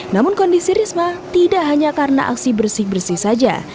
namun kondisi risma tidak hanya karena aksi bersih bersih saja